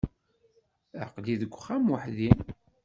Aql-i deg uxxam weḥdi.